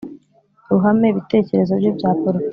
ruhame ibitekerezo bye bya politiki